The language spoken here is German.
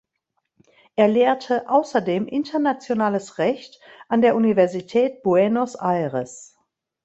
Er lehrte außerdem Internationales Recht an der Universität Buenos Aires.